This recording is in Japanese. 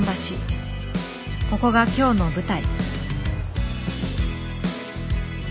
ここが今日の舞台。